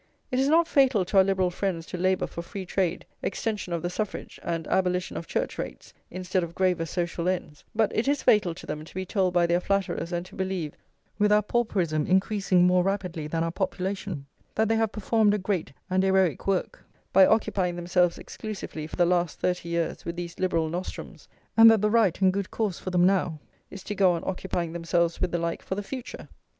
It is not fatal to our Liberal friends to labour for free trade, extension of the suffrage, and abolition of church rates, instead of graver social ends; but it is fatal to them to be told by their flatterers, and to believe, with our pauperism increasing more rapidly than our population, that they have performed a great, an heroic work, by occupying themselves exclusively, for the last thirty years, with these Liberal nostrums, and that the right and good course for them now is to go on occupying themselves with the like for the future.